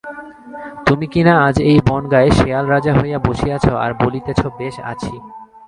তুমি কিনা আজ এই বনগাঁয়ে শেয়াল রাজা হইয়া বসিয়াছ আর বলিতেছ বেশ আছি!